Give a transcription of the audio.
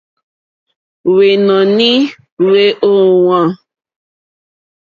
Hwɛ̂wɔ́nì hwé ówàŋ.